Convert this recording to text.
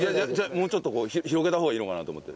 もうちょっとこう広げた方がいいのかなと思って。